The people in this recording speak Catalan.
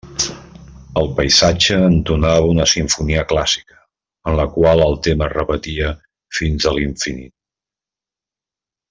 El paisatge entonava una simfonia clàssica, en la qual el tema es repetia fins a l'infinit.